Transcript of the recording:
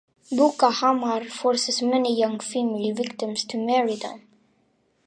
Boko Haram force many young female victims to marry them.